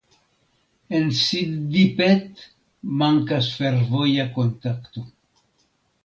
En Siddipet mankas fervoja kontakto.